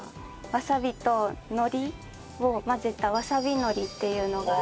わさびと海苔を混ぜたわさび海苔っていうのが。